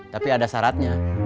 tapi ada syaratnya